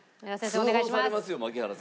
お願いします。